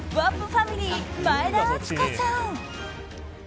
ファミリー前田敦子さん。